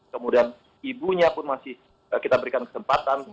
kemudian ibunya pun masih kita berikan kesempatan